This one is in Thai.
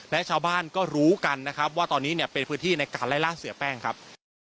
และชาวบ้านก็รู้กันนะครับว่าตอนนี้เนี่ยเป็นพื้นที่ในการไล่ล่าเสียแป้งครับ